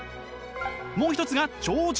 もう一つが超人。